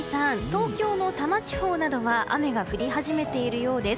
東京の多摩地方などは雨が降り始めているようです。